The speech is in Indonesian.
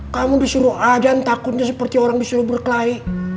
kamu disuruh aja takutnya seperti orang disuruh berkelahi